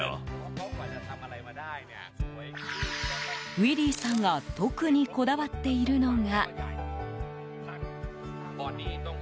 ウィリーさんが特にこだわっているのが。